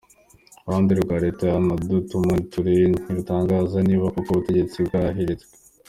Uruhande rwa leta ya Amadou Toumani Toure ntiruratangaza niba koko ubutegetsi bwahiritswe.